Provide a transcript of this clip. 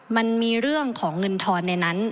มันมีเรื่องของเงินทอนในนั้น